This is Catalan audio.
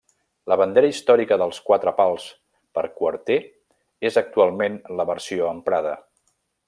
La bandera històrica dels quatre pals per quarter és actualment la versió emprada.